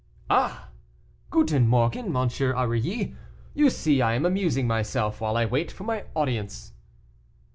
"Ah! guten morgen, M. Aurilly, you see I am amusing myself while I wait for my audience."